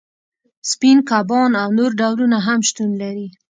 سپین کبان او نور ډولونه هم شتون لري